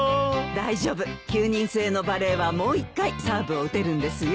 大丈夫９人制のバレーはもう一回サーブを打てるんですよ。